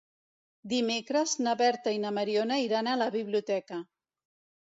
Dimecres na Berta i na Mariona iran a la biblioteca.